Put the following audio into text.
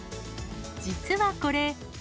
実はこれ。